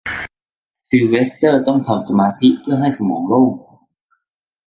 ซิลเวสเตอร์ต้องทำสมาธิเพื่อทำให้สมองโล่ง